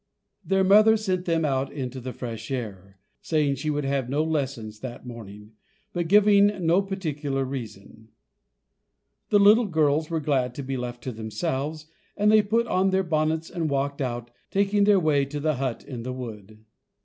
Their mother sent them out into the fresh air, saying she would have no lessons that morning, but giving no particular reason. The little girls were glad to be left to themselves, and they put on their bonnets and walked out, taking their way to the hut in the wood.